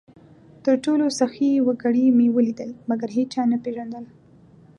تر ټولو سخي وګړي مې ولیدل؛ مګر هېچا نه پېژندل،